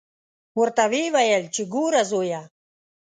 ورته ویې ویل چې ګوره زویه.